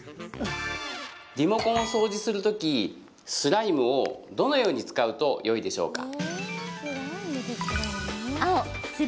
リモコンを掃除する時スライムをどのように使うとよいでしょうか？